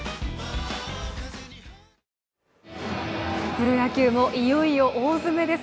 プロ野球もいよいよ大詰めです。